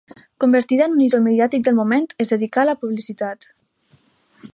Convertida en un ídol mediàtic del moment, es dedicà a la publicitat.